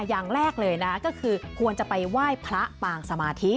อย่างแรกเลยนะก็คือควรจะไปไหว้พระปางสมาธิ